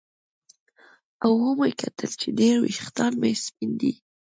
او ومې کتل چې ډېر ویښتان مې سپین دي